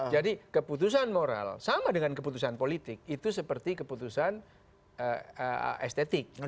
jadi keputusan moral sama dengan keputusan politik itu seperti keputusan estetik